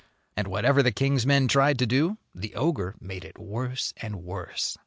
And whatever the king's men tried to do the ogre made it worse and worse.